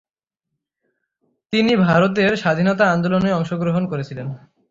তিনি ভারতের স্বাধীনতা আন্দোলনে অংশগ্রহণ করেছিলেন।